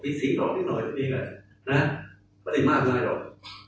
เป็นสิน้อยนิดหน่อยนี่เลยนะไม่ได้มาง่ายหรอก